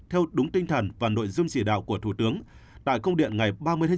theo đúng tinh thần và nội dung chỉ đạo của thủ tướng tại công điện ngày ba mươi chín